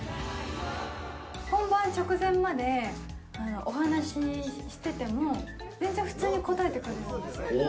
本番直前までお話してても、全然普通に応えてくれるんですよ。